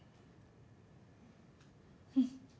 うん。